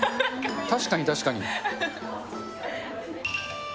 確かに、確かに。